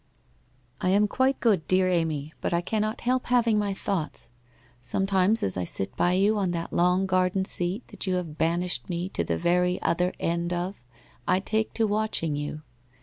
' 1 am quite good, dear Amy, but I cannot help having my thoughts. Sometimes as I sit by you on that long garden sent that you have banished me to the very other end of, I take to watching you.